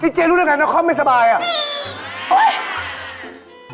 นี่เจ๊รู้แล้วกันว่าเขาไม่สบายอ่ะ